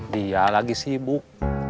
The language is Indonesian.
dia lagi sibuk